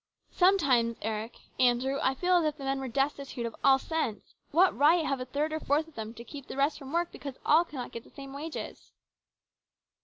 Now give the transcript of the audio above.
Sometimes, Eric, Andrew, I feel as if the men were destitute of all sense. What right have a third or a fourth of them to keep the rest from work because all cannot get the same wages